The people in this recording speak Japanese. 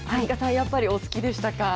やっぱりお好きでしたか。